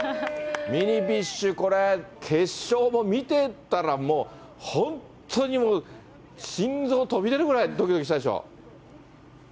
ミニビッシュ、これ、決勝も見てたら、もう本当に心臓飛び出るくらいどきどきしたでしょ？